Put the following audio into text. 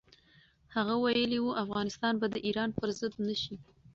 هغه ویلي و، افغانستان به د ایران پر ضد نه شي.